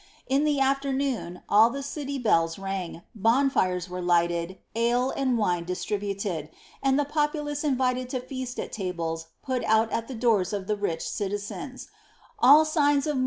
In the afternoon, all the city bells rang, bonfires were lighted, ale and wine distributed, and the populace invited to feast at tables put out at the doors of the rich citizens j all signs of ^Hulin&hcd.